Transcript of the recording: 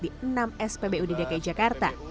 di enam spbu di dki jakarta